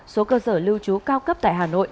số cơ sở lưu trú cao cấp tại hà nội